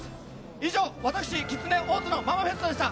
以上、私、きつね大津のママフェストでした。